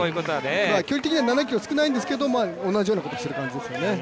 距離的には７ｋｍ少ないんですけど、同じようなことをしている感じですよね。